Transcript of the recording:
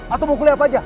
atau mau kuliah apa aja